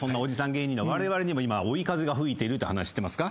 芸人のわれわれにも今追い風が吹いてるって話知ってますか？